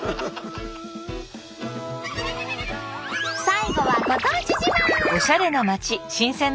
最後はご当地自慢。